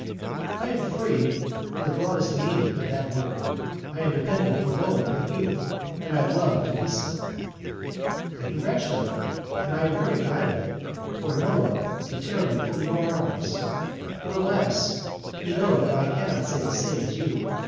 "I am free in the broadest meaning of that word, I am dependent on no one but you, and I love to be so." "I congratulate you, and I am very glad of it, for no one can tear you from my arms, but, alas! you know that I cannot say the same as you.